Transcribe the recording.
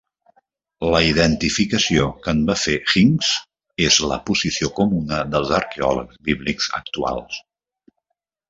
La identificació que en va fer Hincks és la posició comuna dels arqueòlegs bíblics actuals.